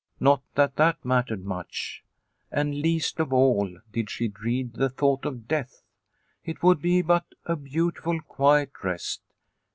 Not that that mattered much. And least of all did she dread the thought of death. It would be but a beautiful, quiet rest.